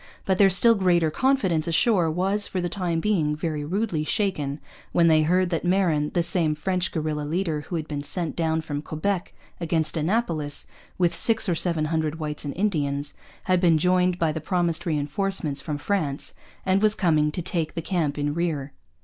But their still greater confidence ashore was, for the time being, very rudely shaken when they heard that Marin, the same French guerilla leader who had been sent down from Quebec against Annapolis with six or seven hundred whites and Indians, had been joined by the promised reinforcements from France and was coming to take the camp in rear.